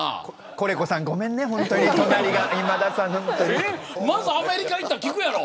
コレコさんごめんね隣アメリカに行ったら聞くやろ。